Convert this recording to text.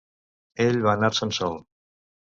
Ell va anar-se'n sol.